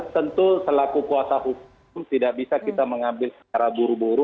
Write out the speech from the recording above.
tentu selaku kuasa hukum tidak bisa kita mengambil secara buru buru